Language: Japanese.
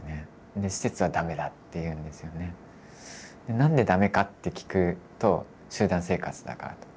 何で駄目かって聞くと集団生活だからと。